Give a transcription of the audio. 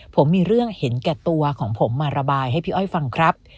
ผมมีเรื่องเห็นแก่ตัวของผมมาระบายให้พี่อ้อยฟังครับ